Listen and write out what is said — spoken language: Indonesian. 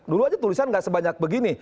dulu aja tulisan nggak sebanyak begini